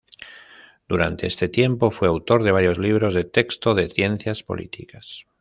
Durante este tiempo fue autor de varios libros de texto de ciencias políticas.